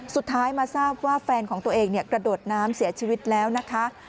สุดท้ายมาทราบว่าแฟนของตัวเองกระโดดน้ำเสียชีวิตแล้วนะคะ